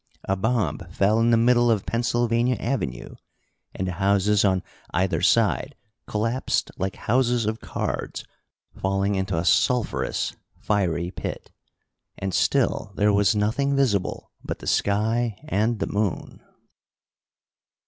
A bomb fell in the middle of Pennsylvania Avenue, and the houses on either side collapsed like houses of cards, falling into a sulphurous, fiery pit. And still there was nothing visible but the sky and the moon.